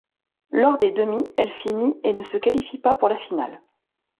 Lors des demi, elle finit et ne se qualifie pas pour la finale.